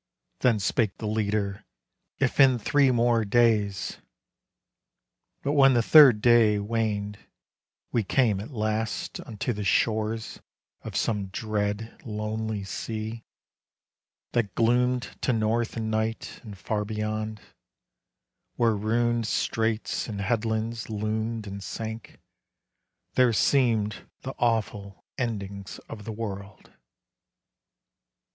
Then spake the leader, "If in three more days!" But when the third day waned we came, at last, Unto the shores of some dread, lonely sea, That gloomed to north and night, and far beyond, Where ruined straits and headlands loomed and sank, There seemed the awful endings of the world.